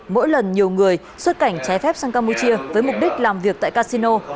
mỗi lần nhiều người xuất cảnh trái phép sang campuchia với mục đích làm việc tại casino